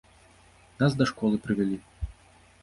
Нас да школы правялі.